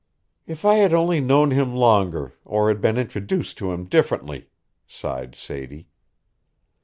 "If I had only known him longer, or had been introduced to him differently," sighed Sadie.